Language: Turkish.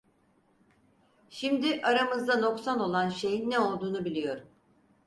Şimdi aramızda noksan olan şeyin ne olduğunu biliyorum!